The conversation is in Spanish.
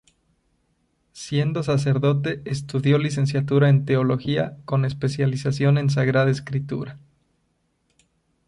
Siendo sacerdote estudió Licenciatura en Teología con especialización en Sagrada Escritura.